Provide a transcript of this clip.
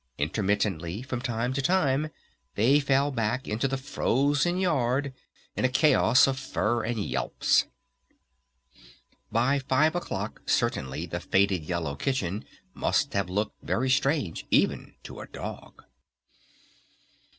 Intermittently from time to time they fell back into the frozen yard in a chaos of fur and yelps. By five o'clock certainly the faded yellow kitchen must have looked very strange, even to a dog!